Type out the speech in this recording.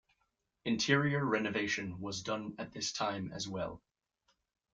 Interior renovation was done at this time as well.